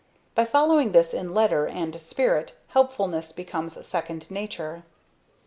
By following this in letter and spirit helpfulness becomes second nature.